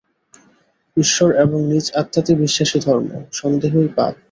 ঈশ্বর এবং নিজ আত্মাতে বিশ্বাসই ধর্ম, সন্দেহই পাপ।